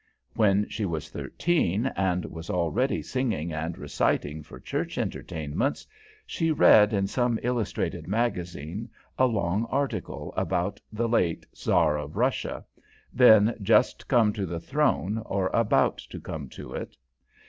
When she was thirteen, and was already singing and reciting for church entertainments, she read in some illustrated magazine a long article about the late Czar of Russia, then just come to the throne or about to come to it.